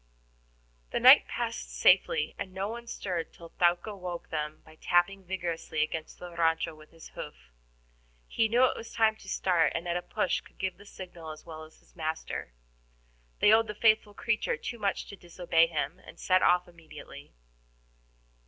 The night passed safely, and no one stirred till Thaouka woke them by tapping vigorously against the RANCHO with his hoof. He knew it was time to start, and at a push could give the signal as well as his master. They owed the faithful creature too much to disobey him, and set off immediately.